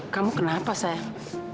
kamu kenapa sayang